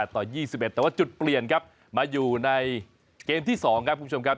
ต่อ๒๑แต่ว่าจุดเปลี่ยนครับมาอยู่ในเกมที่๒ครับคุณผู้ชมครับ